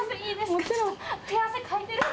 もちろん。